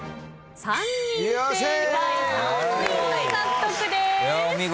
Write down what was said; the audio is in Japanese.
３人正解３ポイント獲得です。